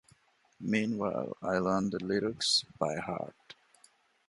Meanwhile I learned the lyrics by heart.